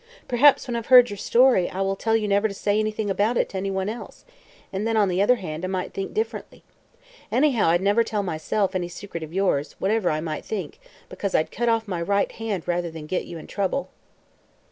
Perhaps, when I've heard your story, I will tell you never to say anything about it to anyone else; and then, on the other hand, I might think differently. Anyhow, I'd never tell, myself, any secret of yours, whatever I might think, because I'd cut off my right hand rather than get you into trouble."